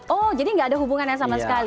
oh jadi nggak ada hubungan yang sama sekali